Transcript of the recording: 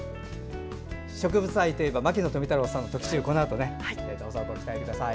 植物愛といえば牧野富太郎さんの特集どうぞご期待ください。